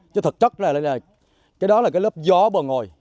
chứ thật chất là cái đó là cái lớp gió bờ ngồi